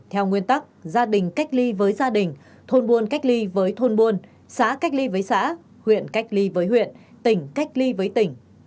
theo nguyên tắc gia đình cách ly với gia đình thôn buôn cách ly với thôn buôn xã cách ly với xã huyện cách ly với huyện tỉnh cách ly với tỉnh